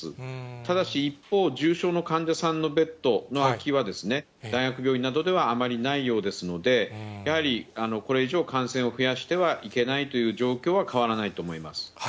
ただし一方、重症の患者さんのベッドの空きは、大学病院などではあまりないようですので、やはりこれ以上、感染を増やしてはいけないという状況は変わらないと思います。